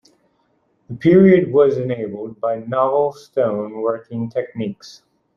The period was enabled by novel stone working techniques.